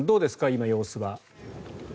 今の様子は。